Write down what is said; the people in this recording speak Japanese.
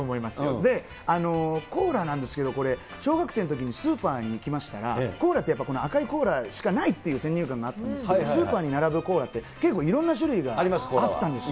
で、コーラなんですけど、これ、小学生のときにスーパーに行きましたら、コーラってやっぱ赤いコーラしかないっていう先入観があったんですけど、スーパーに並ぶコーラって、結構いろんな種類があったんですよ。